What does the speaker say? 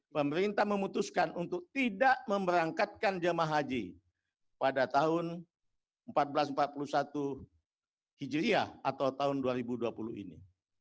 pemerintah memutuskan untuk tidak memberangkatkan jemaah haji pada tahun seribu empat ratus empat puluh satu hijriah atau tahun dua ribu dua puluh ini